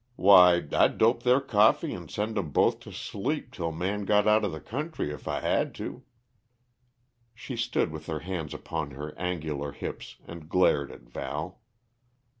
Why, I'd dope their coffee and send 'em both to sleep till Man got outa the country, if I had to!" She stood with her hands upon her angular hips and glared at Val.